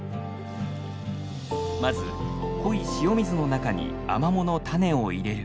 まず濃い塩水の中にアマモの種を入れる。